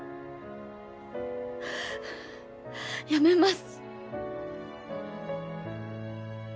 辞めます